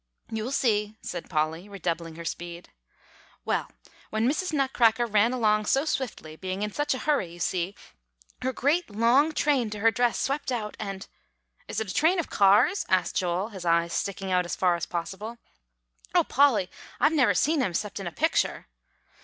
"You'll see," said Polly, redoubling her speed. "Well, when Mrs. Nutcracker ran along so swiftly, being in such a hurry, you see, her great long train to her dress swept out and" "Is it a train of cars?" asked Joel, his eyes sticking out as far as possible. "O Polly! I've never seen 'em, 'cept in a picture."